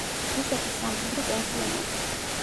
რუსეთის სამხედრო პენსიონერი.